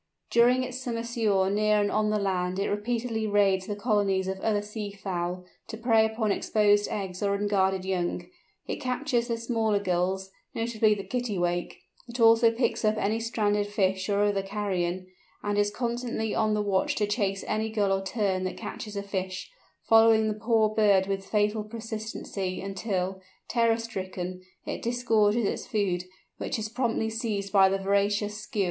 During its summer sojourn near and on the land it repeatedly raids the colonies of other sea fowl, to prey upon exposed eggs or unguarded young; it captures the smaller Gulls, notably the Kittiwake: it also picks up any stranded fish or other carrion; and is constantly on the watch to chase any Gull or Tern that catches a fish, following the poor bird with fatal persistency until, terror stricken, it disgorges its food, which is promptly seized by the voracious Skua.